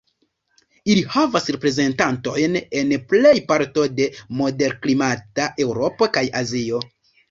Ili havas reprezentantojn en plej parto de moderklimata Eŭropo kaj Azio.